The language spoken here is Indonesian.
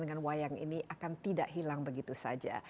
dengan wayang ini akan tidak hilang begitu saja